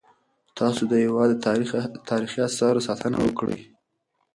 تاسو د هیواد د تاریخي اثارو ساتنه وکړئ.